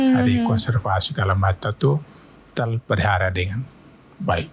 jadi konservasi segala macam itu terpihara dengan baik